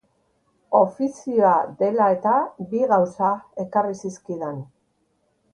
Ofizioa dela-eta, bi gauza ekarri zizkidan.